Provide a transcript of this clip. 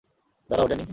দাঁড়াও, ড্যানি।